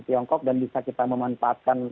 tiongkok dan bisa kita memanfaatkan